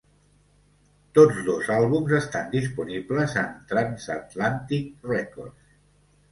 Tots dos àlbums estan disponibles en Transatlantic Records.